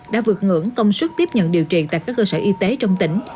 đã vượt ngưỡng công suất tiếp nhận điều trị tại các cơ sở y tế trong tỉnh